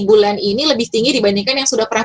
bulan ini lebih tinggi dibandingkan yang sudah pernah